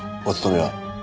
お勤めは？